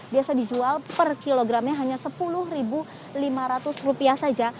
biasa dijual per kilogramnya hanya rp sepuluh lima ratus saja